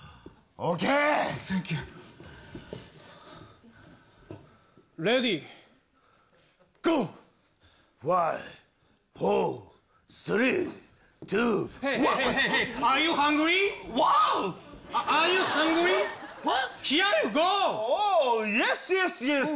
オウイエスイエスイエス！